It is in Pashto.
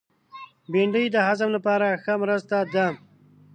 بېنډۍ د هضم لپاره ښه مرسته ده